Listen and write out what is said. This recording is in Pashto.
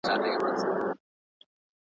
که تجارت بند شي خلک به زیانمن شي.